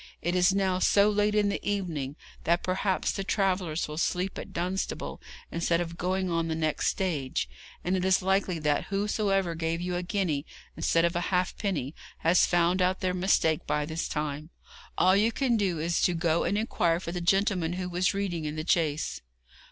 It is now so late in the evening that perhaps the travellers will sleep at Dunstable instead of going on the next stage; and it is likely that whosoever gave you a guinea instead of a halfpenny has found out their mistake by this time. All you can do is to go and inquire for the gentleman who was reading in the chaise.'